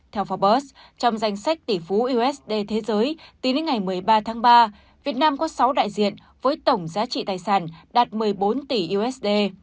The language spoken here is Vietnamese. theo forbes trong danh sách tỷ phú usd thế giới tính đến ngày một mươi ba tháng ba việt nam có sáu đại diện với tổng giá trị tài sản đạt một mươi bốn tỷ usd